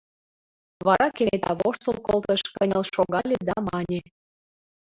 Вара кенета воштыл колтыш, кынел шогале да мане: